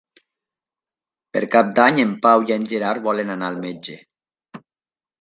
Per Cap d'Any en Pau i en Gerard volen anar al metge.